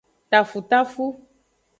Tafutafu.